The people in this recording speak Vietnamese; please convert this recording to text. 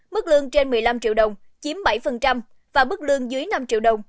mức lương trên một mươi năm triệu đồng chiếm bảy và mức lương dưới năm triệu đồng